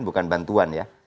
bukan bantuan ya